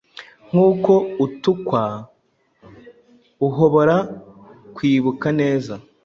Nkuko utukwa, uhobora kwibuka neza,